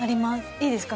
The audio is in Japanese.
いいですか？